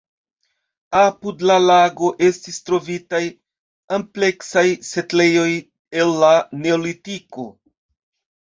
Apud la lago estis trovitaj ampleksaj setlejoj el la neolitiko.